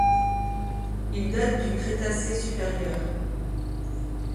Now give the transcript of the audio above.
Ils datent du Crétacé supérieur.